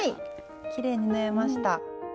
きれいに縫えました。